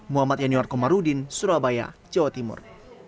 muhammad yanuar komarudin surabaya jawa timur